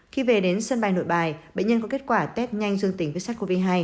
khi về đến sân bay nội bài bệnh nhân có kết quả test nhanh dương tính với sars cov hai